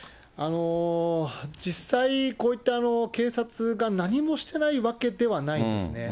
実際、こういった警察が何もしてないわけではないんですね。